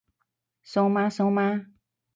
蘇媽蘇媽？